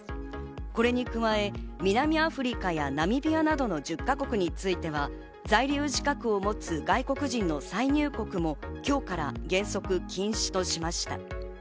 これに加え南アフリカやナミビアなどの１０か国については在留資格を持つ外国人の再入国も今日から原則禁止としました。